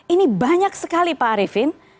ini banyak sekali pak arifin